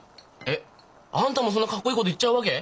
えっ？あんたもそんなかっこいいこと言っちゃうわけ！？